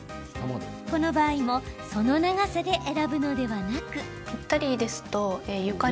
この場合もその長さで選ぶのではなく。